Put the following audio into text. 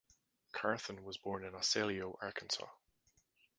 Carthon was born in Osceola, Arkansas.